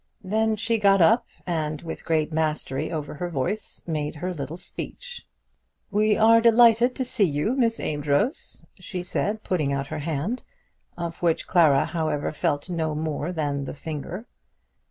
Then she got up, and, with great mastery over her voice, made her little speech. "We are delighted to see you, Miss Amedroz," she said, putting out her hand, of which Clara, however, felt no more than the finger.